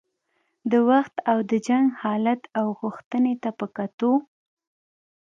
د وخت او د جنګ حالت او غوښتنې ته په کتو.